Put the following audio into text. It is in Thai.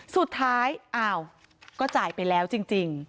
สุดท้ายอ้าวก็จ่ายไปแล้วจริง